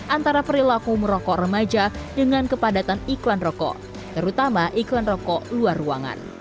antara perilaku merokok remaja dengan kepadatan iklan rokok terutama iklan rokok luar ruangan